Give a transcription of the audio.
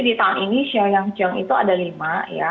di tahun ini shao yang chiong itu ada lima ya